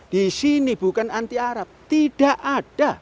di sini bukan anti arab tidak ada